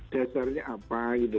dasarnya apa gitu